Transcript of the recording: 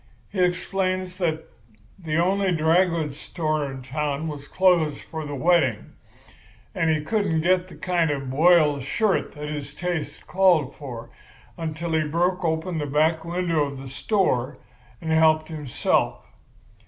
He explains that the only dry goods store in town was closed for the wedding, and he couldn't get the kind of a boiled shirt that his taste called for until he had broke open the back window of the store and helped himself.